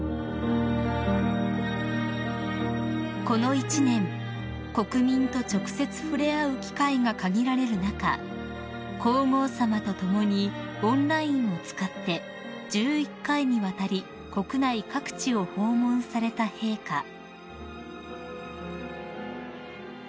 ［この一年国民と直接触れ合う機会が限られる中皇后さまと共にオンラインを使って１１回にわたり国内各地を訪問された陛下］